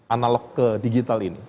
analog ke digital ini